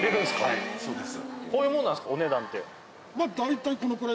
はいそうです。